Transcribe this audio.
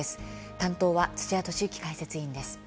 担当は土屋敏之解説委員です。